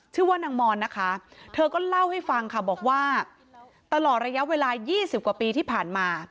ชื่อว่านางมอนนะคะเธอก็เล่าให้ฟังค่ะบอกว่าตลอดระยะเวลา๒๐กว่าปีที่ผ่านมา